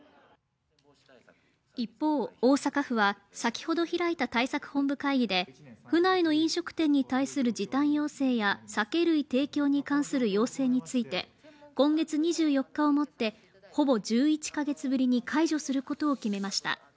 一方、大阪府は先ほど開いた対策本部会議で府内の飲食店に対する時短要請や酒類提供に関する要請について、今月２４日をもってほぼ１１カ月ぶりに解除することを決めました。